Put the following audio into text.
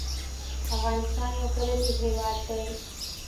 افغانستان يو کرنيز هېواد دی.